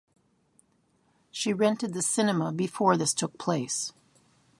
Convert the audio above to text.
She rented the cinema before this took place.